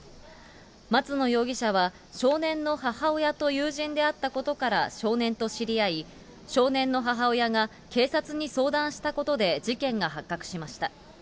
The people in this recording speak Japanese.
松野容疑者は少年の母親と友人であったことから少年と知り合い、少年の母親が警察に相談したことで事件が発覚しました。